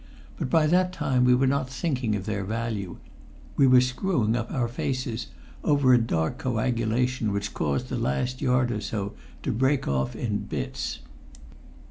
But by that time we were not thinking of their value; we were screwing up our faces over a dark coagulation which caused the last yard or so to break off in bits.